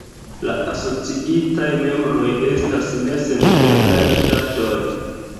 La asociitaj membroj estas ne sendependaj ŝtatoj.